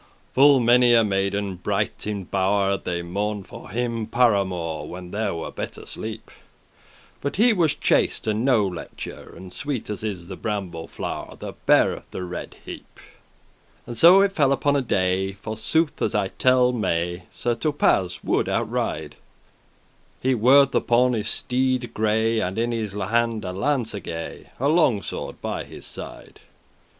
Full many a maiden bright in bow'r They mourned for him par amour, When them were better sleep; But he was chaste, and no lechour, And sweet as is the bramble flow'r That beareth the red heep.* *hip And so it fell upon a day, For sooth as I you telle may, Sir Thopas would out ride; He worth* upon his steede gray, *mounted And in his hand a launcegay,* *spear <10> A long sword by his side.